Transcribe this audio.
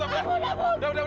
aduh ampun ampun